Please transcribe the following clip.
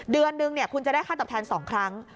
เดือนนึงคุณจะได้ค่าตอบแทน๒ครั้ง